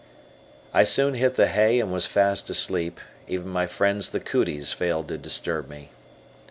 I soon hit the hay and was fast asleep, even my friends the "cooties" failed to disturb me.